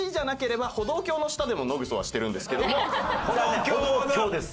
歩道橋です。